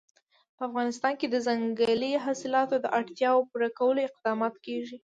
په افغانستان کې د ځنګلي حاصلاتو د اړتیاوو پوره کولو اقدامات کېږي.